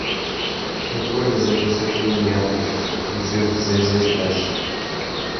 recolho as entoações milimétricas dos seus dizeres expressos